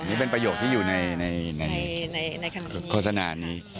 นี่เป็นประโยคที่อยู่ในโฆษณานี้